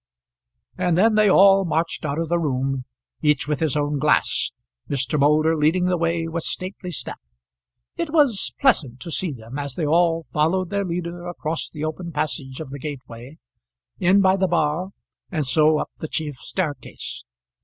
And then they all marched out of the room, each with his own glass, Mr. Moulder leading the way with stately step. It was pleasant to see them as they all followed their leader across the open passage of the gateway, in by the bar, and so up the chief staircase.